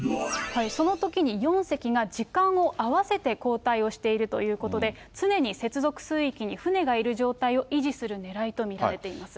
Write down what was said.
そのときに４隻が時間を合わせて交代をしているということで、常に接続水域に船がいる状態を維持するねらいと見られています。